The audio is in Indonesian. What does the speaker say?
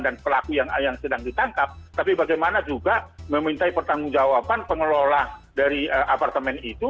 dan pelaku yang sedang ditangkap tapi bagaimana juga memintai pertanggung jawaban pengelola dari apartemen itu